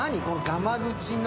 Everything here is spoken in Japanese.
がま口の。